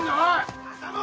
浅野！